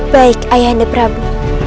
baik ayahanda prabu